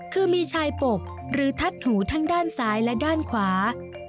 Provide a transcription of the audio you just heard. คือมีชายปกหรือทัดหูทั้งด้านซ้ายและด้านขวา